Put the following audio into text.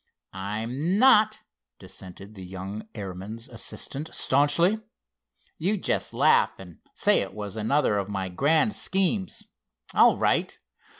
"I'm not," dissented the young airman's assistant staunchly. "You'd just laugh and say it was another of my grand schemes. All right!